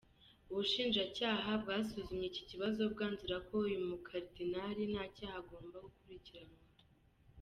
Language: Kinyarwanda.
Ubushinjacyaha bwasuzumye iki kibazo bwanzura ko uyu mukaridinali nta cyaha agomba gukurikiranwaho.